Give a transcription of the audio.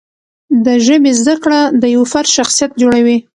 د ژبې زده کړه د یوه فرد شخصیت جوړوي.